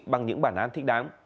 bằng những bản án thích đáng